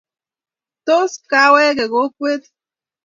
Tos kakoweek kokwet?